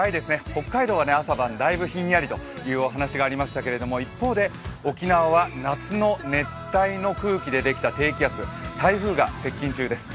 北海道は朝晩だいぶひんやりというお話ありましたが一方で、沖縄は夏の熱帯の空気でできた低気圧台風が接近中です。